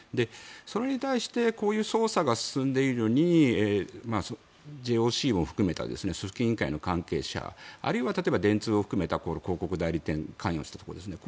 それに対してこういう捜査が進んでいるのにＪＯＣを含めた組織委員会の関係者あるいは電通を含めた広告代理店関与したところですね。